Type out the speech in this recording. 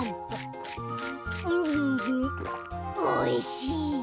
おいしい。